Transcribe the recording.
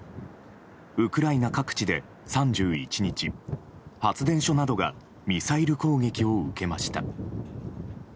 ウクライナ各地で３１日発電所などがミサイル攻撃を受けました。